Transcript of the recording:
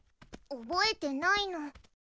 覚えてないの。